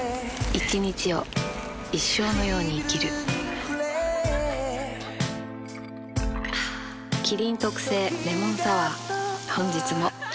一日を一生のように生きる麒麟特製レモンサワー